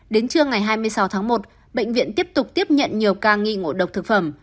đến trưa ngày hai mươi sáu tháng một bệnh viện tiếp tục tiếp nhận nhiều ca nghi ngộ độc thực phẩm